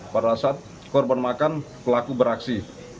pada saat korban makan pelaku beraksi